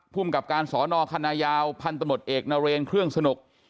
ผู้มกับการศนคันนายาวพันตมติเอกนเรนเครื่องสนุก